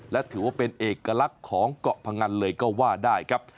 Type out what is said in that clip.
และถือว่าเป็นเอกลักษณ์ของเกาะพงันเลยก็ว่าได้ครับ